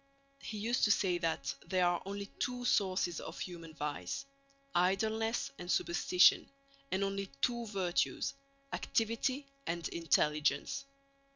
He used to say that there are only two sources of human vice—idleness and superstition, and only two virtues—activity and intelligence.